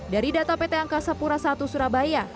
dari data pt angkasa pura i surabaya